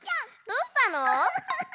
どうしたの？